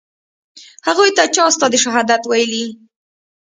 هغوى ته چا ستا د شهادت ويلي.